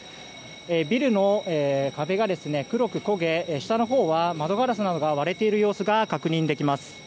ビルの壁が黒く焦げ下のほうは窓ガラスなどが割れている様子が確認できます。